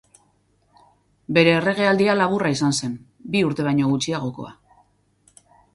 Bere erregealdia laburra izan zen, bi urte baino gutxiagokoa.